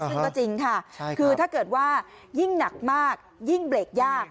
ซึ่งก็จริงค่ะคือถ้าเกิดว่ายิ่งหนักมากยิ่งเบรกยาก